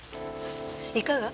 いかが？